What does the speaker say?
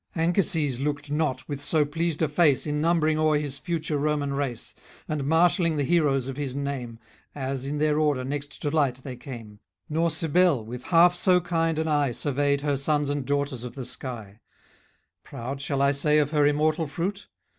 Anchises looked not with so pleased a face, In numbering o'er his future Roman race, And marshalling the heroes of his name, As, in their order, next to light they came; Nor Cybele, with half so kind an eye, Surveyed her sons and daughters of the sky; Proud, shall I say, of her immortal fruit?